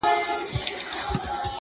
بيزو وان كړې په نكاح څلور بيبياني؛